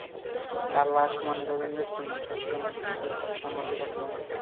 তাঁর লাশ ময়নাতদন্তের জন্য চট্টগ্রাম মেডিকেল কলেজ হাসপাতালের মর্গে পাঠানো হয়েছে।